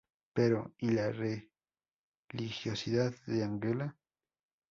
Pero, ¿y la religiosidad de Ángela?